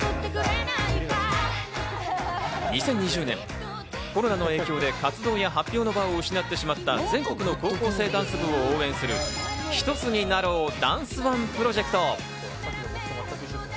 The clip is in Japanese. ２０２０年、コロナの影響で活動や発表の場を失ってしまった全国の高校生ダンス部を応援する、ひとつになろう！